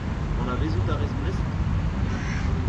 Anavezout a rez Brest ?